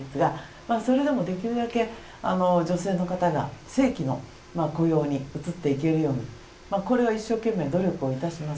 それでもできるだけ、女性の方が正規の雇用に移っていけるようにこれは一生懸命努力いたします。